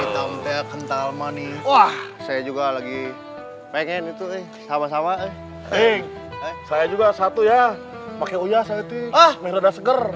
saya juga lagi pengen itu sama sama saya juga satu ya